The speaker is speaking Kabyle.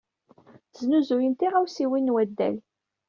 Snuzuyen tiɣawsiwin n waddal.